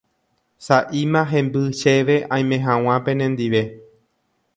sa'íma hemby chéve aime hag̃ua penendive